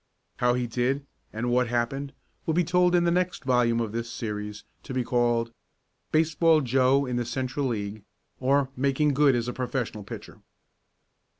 How he did, and what happened, will be told in the next volume of this series, to be called, "Baseball Joe in the Central League; Or, Making Good as a Professional Pitcher."